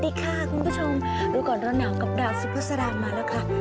สวัสดีค่ะคุณผู้ชมรู้ก่อนร้อนหนาวกับดาวสุภาษามาแล้วค่ะ